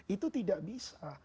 itu tidak bisa